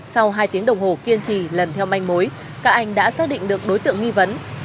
sau hai tiếng đồng hồ kiên trì lần theo manh mối các anh đã xác định được đối tượng nghi vấn